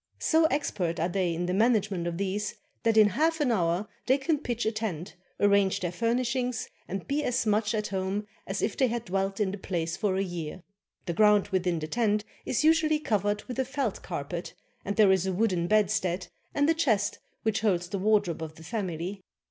So expert are they in the management of these that in half an hour they can pitch a tent, arrange their furnishings, and be as much at home as if they had dwelt in the place for a year. The ground within the tent is usually covered with a felt carpet, and there is a wooden bedstead, and a chest which holds the wardrobe of the family.